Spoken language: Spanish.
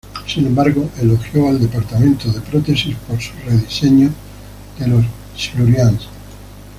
Sin embargo, elogió al departamento de prótesis por su rediseño de los Silurians.